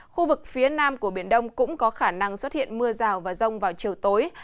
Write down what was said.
khu vực phía nam của biển đông cũng có khả năng xuất hiện mưa rào và rông vào chiều tối